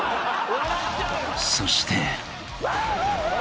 ［そして］